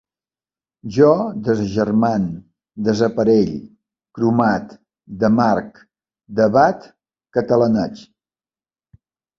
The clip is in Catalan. Jo desagermane, desaparelle, cromate, demarque, debat, catalanege